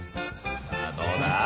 さぁどうだ？